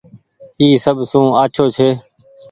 اي سب سون آڇو ڇي۔